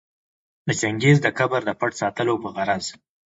د چنګیز د قبر د پټ ساتلو په غرض